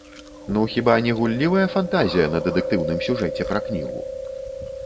Ну хіба не гуллівая фантазія на дэтэктыўным сюжэце пра кнігу?